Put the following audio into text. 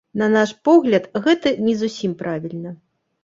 На наш погляд, гэта не зусім правільна.